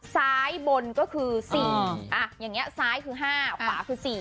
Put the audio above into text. ซ้ายบนก็คือ๔อย่างนี้ซ้ายคือ๕ขวาคือ๔